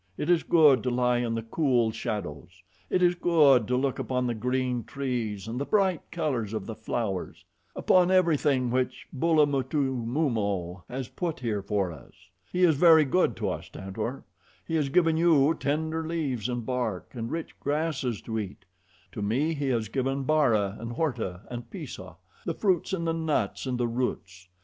It is good to lie in the cool shadows. It is good to look upon the green trees and the bright colors of the flowers upon everything which Bulamutumumo has put here for us. He is very good to us, Tantor; He has given you tender leaves and bark, and rich grasses to eat; to me He has given Bara and Horta and Pisah, the fruits and the nuts and the roots.